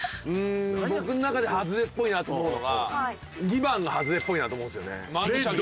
僕の中でハズレっぽいなと思うのが２番がハズレっぽいなと思うんですよね。